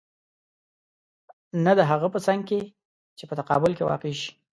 نه د هغه په څنګ کې چې په تقابل کې واقع شي.